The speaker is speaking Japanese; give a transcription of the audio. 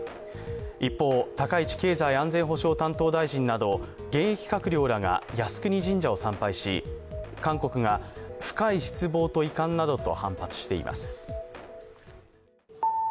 一方、高市経済安全保障担当大臣など現役閣僚らが靖国神社を参拝し、韓国が深い失望と遺憾などと反発しています。